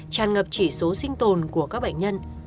tràn ngập chỉ số sinh tồn của các bệnh nhân